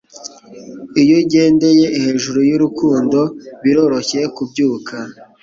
Iyo ugendeye hejuru y'urukundo, biroroshye kubyuka.